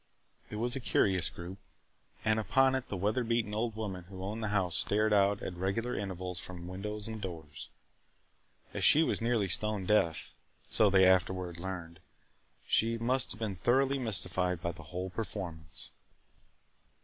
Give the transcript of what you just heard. It was a curious group. And upon it the weather beaten old woman who owned the house stared out at regular intervals from windows and doors. As she was nearly stone deaf (so they afterward learned) she must have been thoroughly mystified by the whole performance!